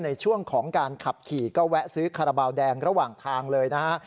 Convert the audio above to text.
ในช่วงของการขับขี่ก็แวะซื้อคาราบาลแดงระหว่างทางเลยนะฮะ